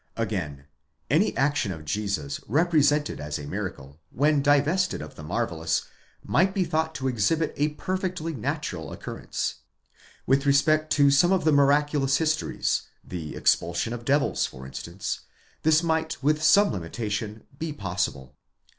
Again, any action of Jesus represented as a miracle, when divested of the marvellous, might be thought to exhibit a perfectly natural occurrence ; with respect to some of the miraculous histories, the expulsion of devils for instance, this might with some limitation, be possible.